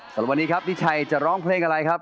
สำหรับวันนี้ครับพี่ชัยจะร้องเพลงอะไรครับ